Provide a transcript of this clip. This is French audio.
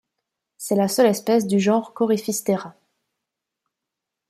C'est la seule espèce du genre Coryphistera.